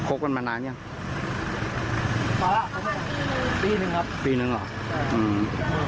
คกมันมานานยังมาละปีนึงปีนึงครับปีนึงเหรออืม